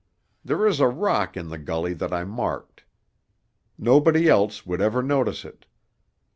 "There is a rock in the gully that I marked. Nobody else would ever notice it.